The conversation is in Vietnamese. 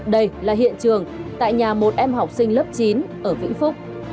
đây là hiện trường tại nhà một em học sinh lớp chín ở vĩnh phúc